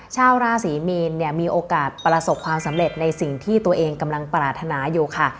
ชาวราศรีมีนเนี่ยมีโอกาสประสบความสำเร็จในสิ่งที่ตัวเองกำลังปรารถนาอยู่ค่ะ